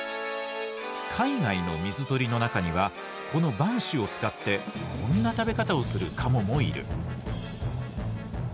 海外の水鳥の中にはこの板歯を使ってこんな食べ方をするカモもいる。